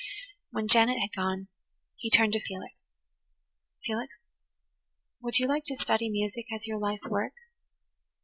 When Janet had gone he turned to Felix. "Felix, would you like to study music as your life work?"